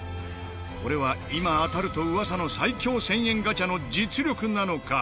これは今当たると噂の最強１０００円ガチャの実力なのか？